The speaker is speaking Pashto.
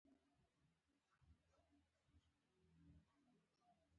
له هوا او حرص خیاله قناعت غوره دی.